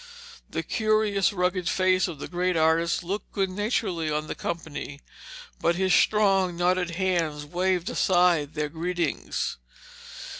The curious, rugged face of the great artist looked good naturedly on the company, but his strong knotted hands waved aside their greetings.